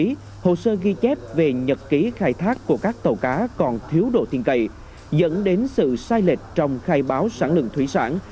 nhờ ghi chép về nhật ký khai thác của các tàu cá còn thiếu độ thiên cầy dẫn đến sự sai lệch trong khai báo sản lượng thủy sản